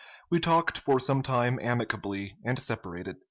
We talked for some time amicably, and separated.